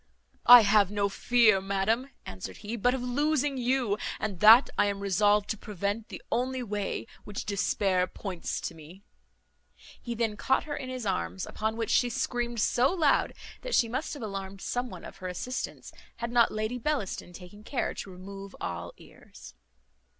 "I have no fear, madam," answered he, "but of losing you, and that I am resolved to prevent, the only way which despair points to me." He then caught her in his arms: upon which she screamed so loud, that she must have alarmed some one to her assistance, had not Lady Bellaston taken care to remove all ears.